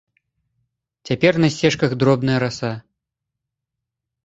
Цяпер на сцежках дробная раса.